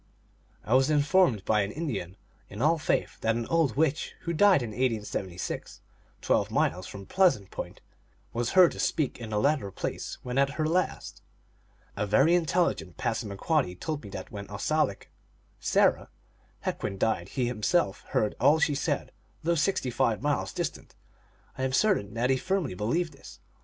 I was informed by an Indian in all faith that an old witch who died in 1876, twelve miles from Pleasant Point, was heard to speak in the latter place when at her last. A very intelligent Passamaquoddy told me that when Osalik (Sarah) Hequin died he himself heard all she said, though sixty five miles distant. I am certain that he firmly believed this.